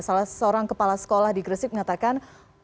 salah seorang kepala sekolah di gresik mengatakan